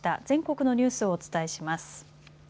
全国のニュースをお伝えします。